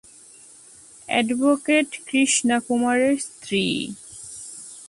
Advocate Krishna কুমারের স্ত্রী।